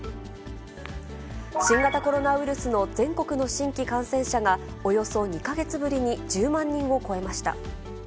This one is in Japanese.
新型コロナウイルスの全国の新規感染者が、およそ２か月ぶりに１０万人を超えました。